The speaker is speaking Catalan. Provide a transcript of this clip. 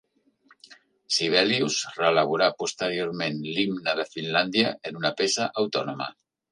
Sibelius reelaborà posteriorment l'himne de Finlàndia en una peça autònoma.